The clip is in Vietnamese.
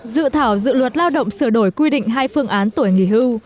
dự thảo dự luật lao động sửa đổi quy định hai phương án tuổi nghỉ hưu